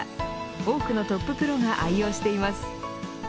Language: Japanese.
多くのトッププロが愛用しています。